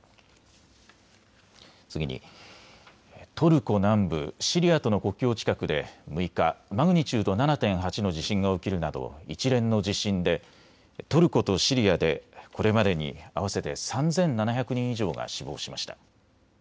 次に、トルコ南部、シリアとの国境近くで６日、マグニチュード７．８の地震が起きるなど一連の地震でトルコとシリアでこれまでに合わせて３７００人以上が死亡しました。